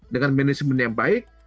dengan manajemen yang baik